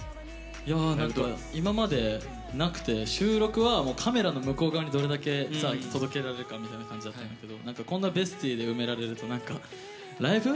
今までなくて収録はカメラの向こう側にどれだけ届けられるかみたいな感じだったんだけどこんなＢＥＳＴＹで埋められるとライブ？